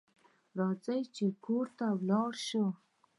راځئ چې کور ته ولاړ شو